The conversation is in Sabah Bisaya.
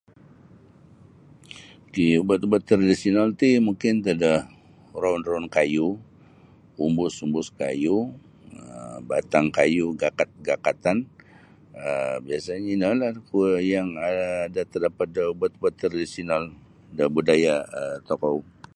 Ok ubat-ubatan tradisional ti mungkin antad da roun-roun kayu, umbus-umbus kayu um batang kayu gakad-gakadtan[um] biasnya ino lah kuo yang terdapat da ubat-ubat tradisional da budaya tokou.